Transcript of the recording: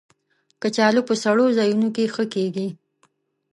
کچالو په سړو ځایونو کې ښه کېږي